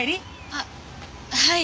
あっはい。